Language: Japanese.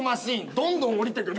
どんどん下りてくる！